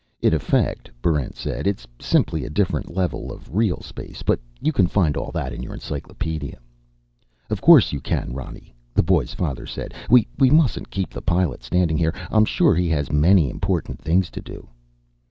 "In effect," Barrent said, "it's simply a different level of real space. But you can find all that in your encyclopedia." "Of course you can, Ronny," the boy's father said. "We mustn't keep the pilot standing here. I'm sure he has many important things to do."